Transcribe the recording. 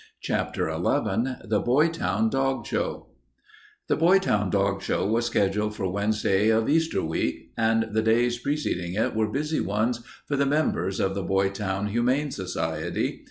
CHAPTER XI THE BOYTOWN DOG SHOW The Boytown Dog Show was scheduled for Wednesday of Easter week, and the days preceding it were busy ones for the members of the Boytown Humane Society.